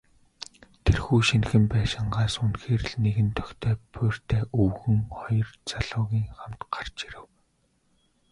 Тэрхүү шинэхэн байшингаас үнэхээр л нэгэн тохитой буурьтай өвгөн, хоёр залуугийн хамт гарч ирэв.